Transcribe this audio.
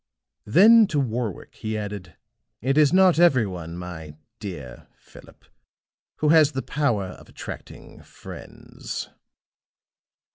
Then to Warwick he added, "It is not every one, my dear Philip, who has the power of attracting friends."